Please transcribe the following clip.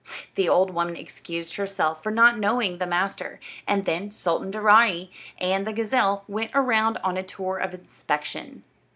The old woman excused herself for not knowing the master, and then Sultan Daaraaee and the gazelle went around on a tour of inspection.